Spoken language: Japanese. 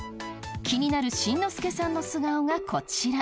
気になるしんのすけさんの素顔がこちら。